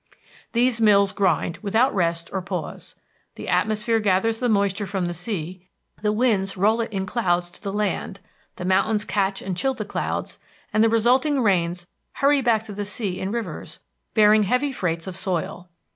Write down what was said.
These mills grind without rest or pause. The atmosphere gathers the moisture from the sea, the winds roll it in clouds to the land, the mountains catch and chill the clouds, and the resulting rains hurry back to the sea in rivers bearing heavy freights of soil.